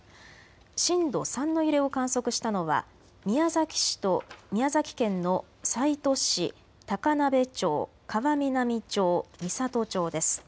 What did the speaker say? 震度３の揺れを観測したのは宮崎市と宮崎県の西都市、高鍋町、川南町、美郷町です。